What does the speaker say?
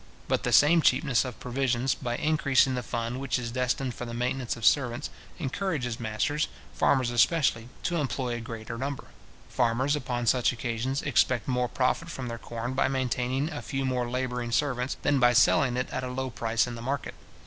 But the same cheapness of provisions, by increasing the fund which is destined for the maintenance of servants, encourages masters, farmers especially, to employ a greater number. Farmers, upon such occasions, expect more profit from their corn by maintaining a few more labouring servants, than by selling it at a low price in the market.